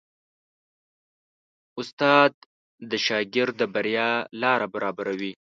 استاد د شاګرد د بریا لاره برابروي.